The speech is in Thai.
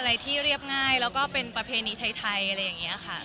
อะไรที่เรียบง่ายแล้วก็เป็นประเพณีไทยอะไรอย่างนี้ค่ะ